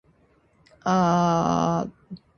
夏より、冬の方がましだと思う。